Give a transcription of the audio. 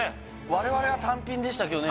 我々は単品でしたけどね